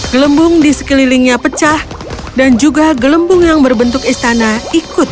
gelembung di sekelilingnya pecah dan juga gelembung yang berbentuk istana ikut